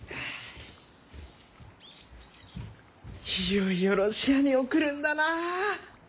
いよいよロシアに送るんだな！